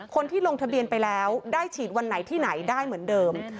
คนที่ลงทะเบียนไปแล้วได้ฉีดวันไหนที่ไหนได้เหมือนเดิม